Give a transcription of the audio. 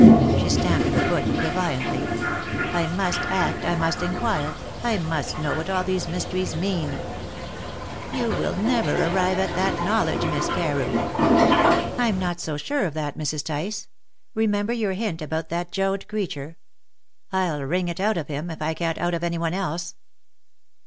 She stamped her foot defiantly. "I must act, I must inquire, I must know what all these mysteries mean!" "You will never arrive at that knowledge, Miss Carew." "I'm not so sure of that, Mrs. Tice. Remember your hint about that Joad creature. I'll wring it out of him, if I can't out of anyone else.